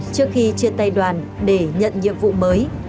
trước khi chia tay đoàn để nhận nhiệm vụ mới